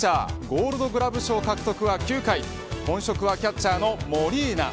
ゴールドグラブ賞獲得は９回本職はキャッチャーのモリーナ。